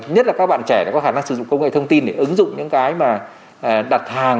nhất là các bạn trẻ có khả năng sử dụng công nghệ thông tin để ứng dụng những cái mà đặt hàng